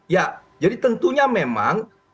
ya jadi tentunya memang